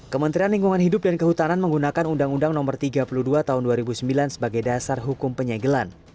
kementerian lingkungan hidup dan kehutanan menggunakan undang undang no tiga puluh dua tahun dua ribu sembilan sebagai dasar hukum penyegelan